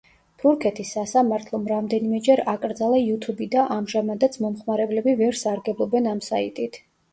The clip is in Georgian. თურქეთის სასამართლომ რამდენიმეჯერ აკრძალა იუთუბი და ამჟამადაც, მომხმარებლები ვერ სარგებლობენ ამ საიტით.